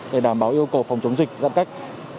để đảm bảo yêu cầu phòng chống dịch giãn cách